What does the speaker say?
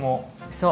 そう。